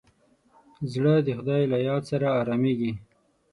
زړه د خدای له یاد سره ارامېږي.